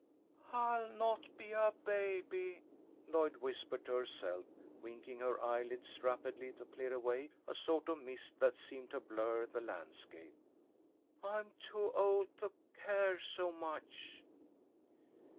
"I'll not be a baby," Lloyd whispered to herself, winking her eyelids rapidly to clear away a sort of mist that seemed to blur the landscape. "I'm too old to care so much."